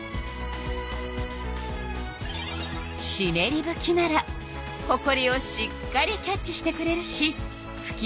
しめりぶきならほこりをしっかりキャッチしてくれるしふき